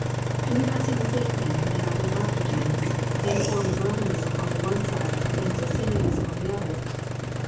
Do we not see the same thing coming out in after times, in the form of Romanism on the one side and Socinianism on the other?